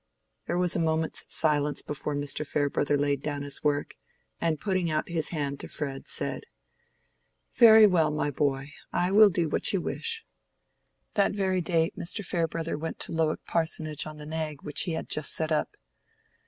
There was a moment's silence before Mr. Farebrother laid down his work, and putting out his hand to Fred said— "Very well, my boy. I will do what you wish." That very day Mr. Farebrother went to Lowick parsonage on the nag which he had just set up.